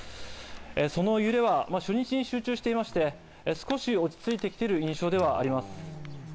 その揺れは初日に集中していまして、少し落ち着いてきている印象ではあります。